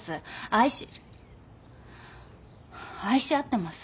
愛し合ってます。